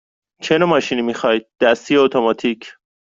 چه نوع ماشینی می خواهید – دستی یا اتوماتیک؟